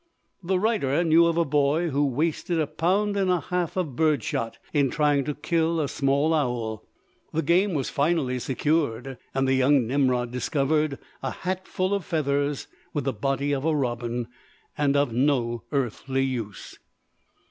The writer knew of a boy who wasted a pound and a half of bird shot in trying to kill a small owl. The game was finally secured, and the young Nimrod discovered a hatful of feathers with the body of a robin and of no earthly use.